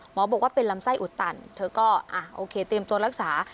บอกว่าเป็นลำไส้อุดตันเธอก็โอเคเตรียมตัวรักษา